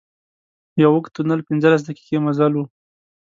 یو اوږد تونل پنځلس دقيقې مزل و.